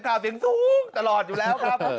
เลยครับ